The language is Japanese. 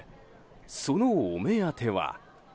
そのお目当ては。